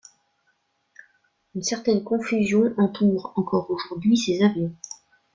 Une certaine confusion entoure encore aujourd’hui ces avions.